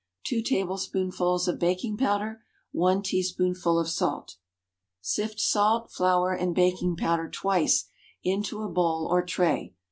Two tablespoonfuls of baking powder. One teaspoonful of salt. Sift salt, flour, and baking powder twice into a bowl or tray.